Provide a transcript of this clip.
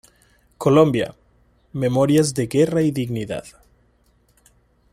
Colombia: memorias de guerra y dignidad".